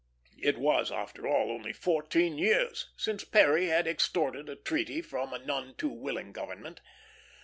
It was, after all, only fourteen years since Perry had extorted a treaty from a none too willing government.